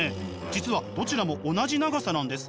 実はどちらも同じ長さなんです。